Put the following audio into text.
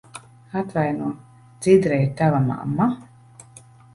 Atvaino, Dzidra ir tava mamma?